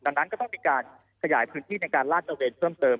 ดังนั้นก็ต้องมีการขยายพื้นที่ในการลาดตระเวนเพิ่มเติม